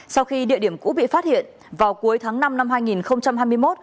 sau khi địa điểm cũ bị phát hiện vào cuối tháng năm năm hai nghìn hai mươi một